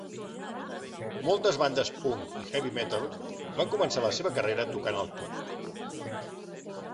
Moltes bandes punk i heavy metal van començar la seva carrera tocant al club.